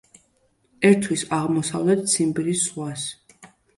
ერთვის აღმოსავლეთ ციმბირის ზღვას.